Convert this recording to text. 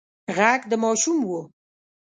غږ د ماشوم و.